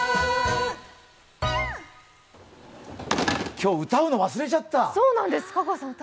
今日歌うの忘れちゃった。